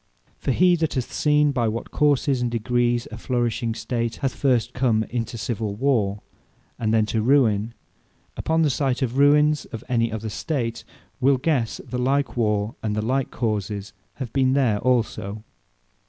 For he that hath seen by what courses and degrees, a flourishing State hath first come into civill warre, and then to ruine; upon the sights of the ruines of any other State, will guesse, the like warre, and the like courses have been there also.